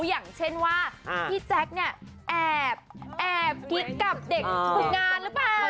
อย่างเช่นว่าพี่แจ๊คเนี่ยแอบกิ๊กกับเด็กฝึกงานหรือเปล่า